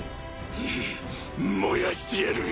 ぬっ燃やしてやる！